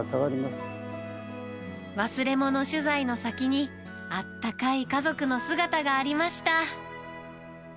忘れ物取材の先に、あったかい家族の姿がありました。